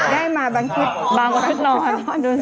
ได้มาบังคิดบางกว่าด้านนอนดูสิ